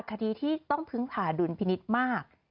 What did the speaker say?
คดีที่ต้องพึ่งพาดุลพินิษฐ์มาก